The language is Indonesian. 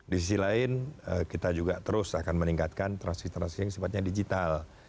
di sisi lain kita juga terus akan meningkatkan transkripsi transkripsi yang sepatnya digital